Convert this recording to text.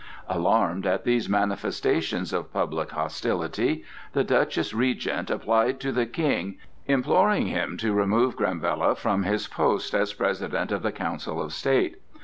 Alarmed at these manifestations of public hostility, the Duchess Regent applied to the King, imploring him to remove Granvella from his post as President of the Council of State.